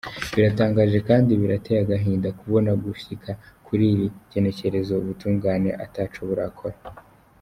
Biratangaje kandi birateye agahinda kubona gushika kuri iri genekerezo ubutungane ataco burakora.